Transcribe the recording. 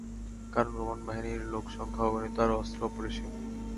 কারণ রোমান বাহিনীর লোকসংখ্যা অগণিত আর অস্ত্র অপরিসীম।